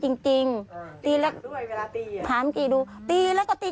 ต้องอย่างนี้ต้องโดนคดีและไปอยู่สถานปัมบัติ